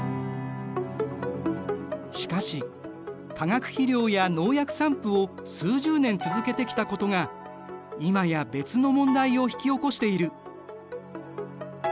しかし化学肥料や農薬散布を数十年続けてきたことが今や別の問題を引き起こしている。